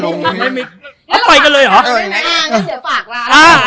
แล้วเดี๋ยวฝากร้าน